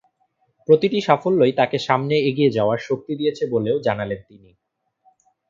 প্রতিটি সাফল্যই তাঁকে সামনে এগিয়ে যাওয়ার শক্তি দিয়েছে বলেও জানালেন তিনি।